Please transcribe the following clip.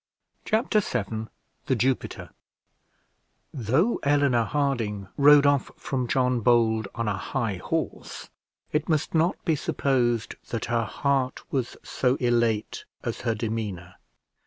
Chapter VII THE JUPITER Though Eleanor Harding rode off from John Bold on a high horse, it must not be supposed that her heart was so elate as her demeanour.